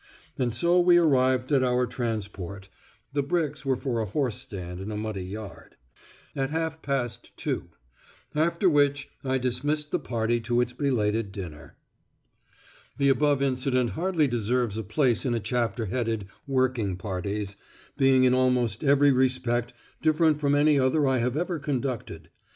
And so we arrived at our transport (the bricks were for a horse stand in a muddy yard) at half past two; after which I dismissed the party to its belated dinner. The above incident hardly deserves a place in a chapter headed "working parties," being in almost every respect different from any other I have ever conducted.